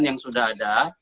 yang sudah ada